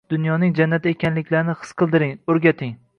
Dunyoning jannati ekanliklarini his qildiring, oʻrgating!